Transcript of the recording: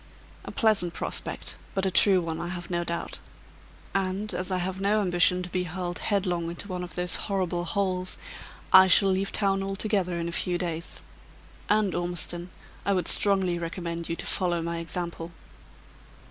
"A pleasant prospect; but a true one, I have no doubt. And, as I have no ambition to be hurled headlong into one of those horrible holes, I shall leave town altogether in a few days. And, Ormiston, I would strongly recommend you to follow my example."